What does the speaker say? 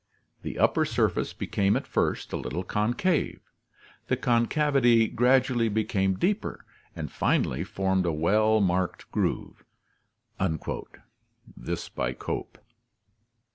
The upper surface became at first a little con cave; the concavity gradually became deeper, and finally formed a well marked groove" (Cope).